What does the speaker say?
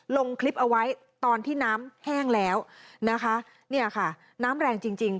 ลงคลิปเอาไว้ตอนที่น้ำแห้งแล้วนะคะเนี่ยค่ะน้ำแรงจริงจริง